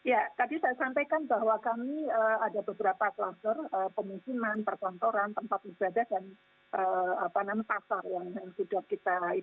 ya tadi saya sampaikan bahwa kami